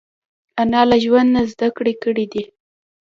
انا له ژوند نه زده کړې کړې دي